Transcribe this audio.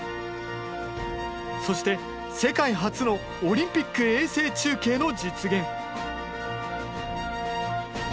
そして世界初のオリンピック衛星中継の実現。